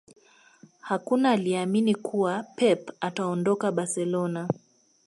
Hakuna aliyeamini kuwa Pep ataondoka Barcelona